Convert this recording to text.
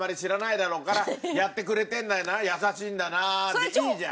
でいいじゃん。